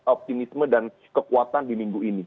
optimisme dan kekuatan di minggu ini